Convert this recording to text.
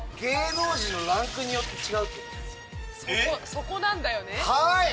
そこなんだよね。